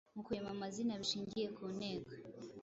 Mu kurema amazina bishingiye ku nteko,